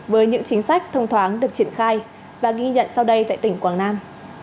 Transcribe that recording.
với những chính sách thông thoáng được triển khai và ghi nhận sau đây tại tỉnh quảng nam